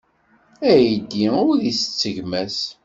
Aydi ur ittett gma-s.